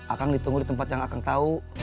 akang ditunggu di tempat yang akang tau